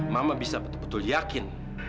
mama bisa betul betul yakin